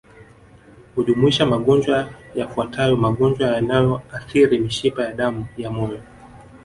Hujumuisha magonjwa yafuatayo magonjwa yanayoathiri mishipa ya damu ya moyo